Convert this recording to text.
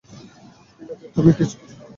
ঠিক আছে, তুমি কিছু নিবে?